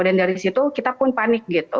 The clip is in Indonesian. dan dari situ kita pun panik gitu